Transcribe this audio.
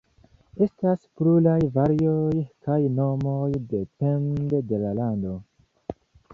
Estas pluraj varioj kaj nomoj, depende de la lando.